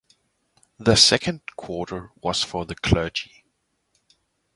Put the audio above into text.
The second quarter was for the clergy.